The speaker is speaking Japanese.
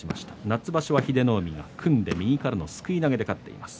夏場所は英乃海が組んで右からのすくい投げで勝っています。